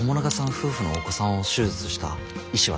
夫婦のお子さんを手術した医師は誰なんですか？